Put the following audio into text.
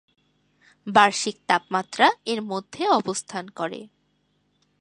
বার্ষিক তাপমাত্রা এর মধ্যে অবস্থান করে।